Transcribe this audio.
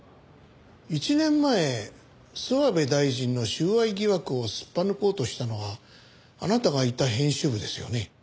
１年前諏訪部大臣の収賄疑惑をすっぱ抜こうとしたのはあなたがいた編集部ですよね？